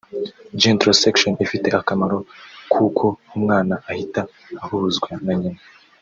Gentle C-section ifite akamaro kuko umwana ahita ahuzwa na nyina